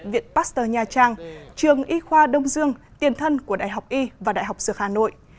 viện pasteur nha trang trường y khoa đông dương tiền thân của đại học y và đại học dược hà nội